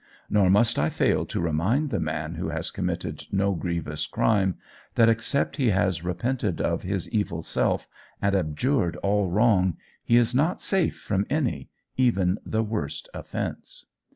Nor must I fail to remind the man who has committed no grievous crime, that except he has repented of his evil self, and abjured all wrong, he is not safe from any, even the worst offence.